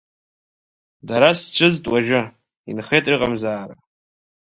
Дара сцәыӡт уажәы, инхеит рыҟамзаара.